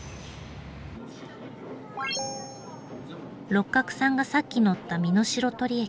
六角さんがさっき乗った美濃白鳥駅。